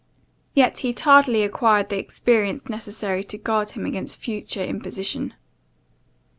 Yet he tardily acquired the experience necessary to guard him against future imposition.